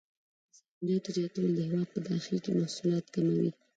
د صادراتو زیاتول د هېواد په داخل کې محصولات کموي.